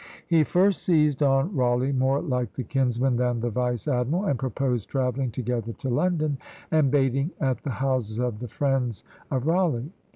He first seized on Rawleigh more like the kinsman than the vice admiral, and proposed travelling together to London, and baiting at the houses of the friends of Rawleigh.